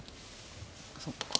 そっか